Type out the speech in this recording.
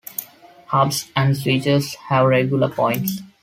Hubs and switches have regular ports.